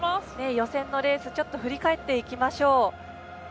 予選のレース振り返っていきましょう。